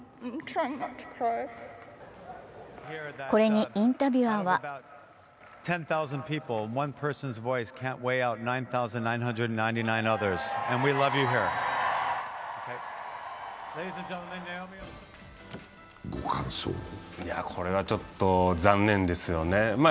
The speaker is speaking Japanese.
これにインタビュアーはこれはちょっと残念ですよね。